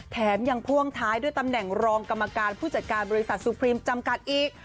แถมยังพ่วงท้ายด้วยตำแหน่งรองกรรมการผู้จัดการบริษัทสุพรีมจำกัดอีก